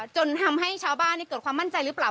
จนทำให้ชาวบ้านเกิดความมั่นใจหรือเปล่า